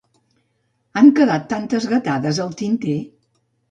Han quedat tantes gatades al tinter!